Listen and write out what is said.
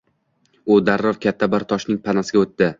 U darrov katta bir toshning panasiga o’tdi.